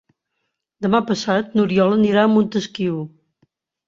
Demà passat n'Oriol anirà a Montesquiu.